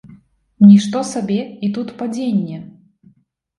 Нішто сабе, і тут падзенне!